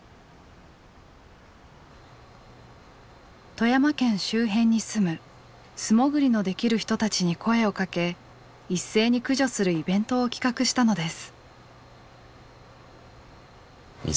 富山県周辺に住む素潜りのできる人たちに声をかけ一斉に駆除するイベントを企画したのです。